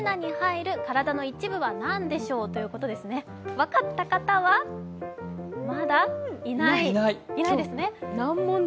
分かった方は、まだいないですね。